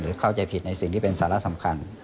เข้าใจผิดในสิ่งที่เป็นสาระสำคัญ